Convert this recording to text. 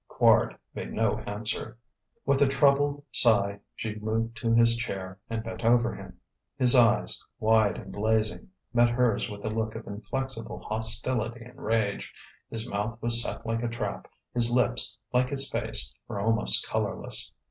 Quard made no answer. With a troubled sigh she moved to his chair and bent over him. His eyes, wide and blazing, met hers with a look of inflexible hostility and rage; his mouth was set like a trap, his lips, like his face, were almost colourless.